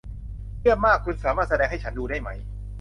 เยี่ยมมาก คุณสามารถแสดงให้ฉันดูได้ไหม